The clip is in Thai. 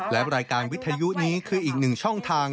และรายการวิทยุนี้คืออีกหนึ่งช่องทาง